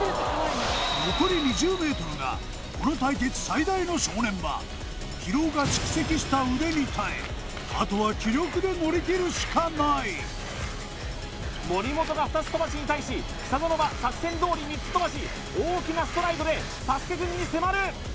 残り２０ｍがこの対決最大の正念場疲労が蓄積した腕に耐えあとは気力で乗りきるしかない森本が２つ飛ばしに対し北園は作戦どおり３つ飛ばし大きなストライドでサスケくんに迫る！